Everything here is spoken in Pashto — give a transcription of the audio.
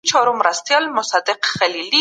داستان باید د واقعیت او تخیل بڼه ولري.